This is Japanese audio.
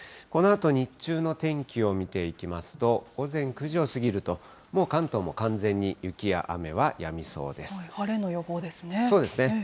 このあと日中の天気を見ていきますと、午前９時を過ぎると、もう関東も完全に雪や雨はやみそうで晴れの予報ですね。